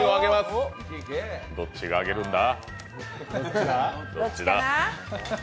どっちが上げるんだ？